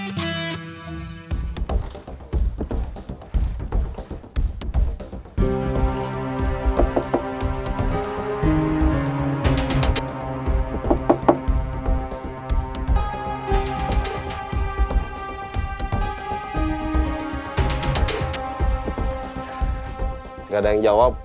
tidak ada yang menjawab